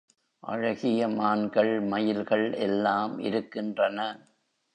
அழகிய மான்கள், மயில்கள் எல்லாம் இருக்கின்றன.